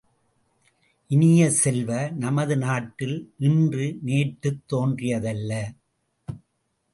இனிய செல்வ, நமது நாட்டில் இன்று நேற்றுத் தோன்றியதல்ல.